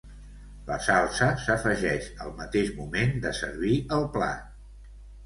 La salsa s’afegeix al mateix moment de servir el plat.